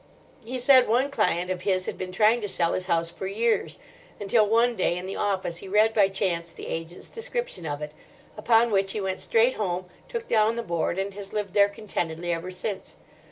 He said one client of his had been trying to sell his house for years—until one day in the office he read by chance the agent's description of it. Upon which he went straight home, took down the board, and has lived there contentedly ever since.